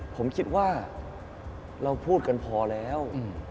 ผมคิดว่าเราพูดกันพอแล้ว